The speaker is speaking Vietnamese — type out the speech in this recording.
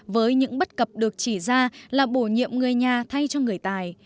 với những bất cập được chỉ ra là bổ nhiệm người nhà thay cho người tài